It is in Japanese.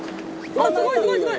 あっすごいすごいすごい！